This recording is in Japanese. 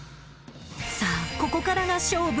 さあここからが勝負